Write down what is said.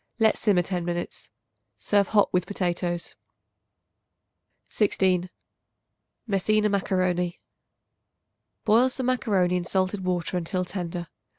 Let simmer ten minutes. Serve hot with potatoes. 16. Messina Macaroni. Boil some macaroni in salted water until tender.